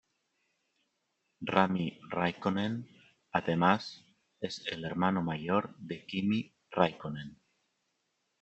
Rami Räikkönen además es el hermano mayor de Kimi Räikkönen.